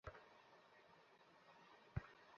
আমি জানি যে তোমার চকোলেট ভালো লাগে।